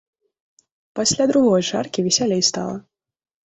Пасля другой чаркі весялей стала.